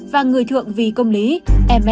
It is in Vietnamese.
và người thượng vì công an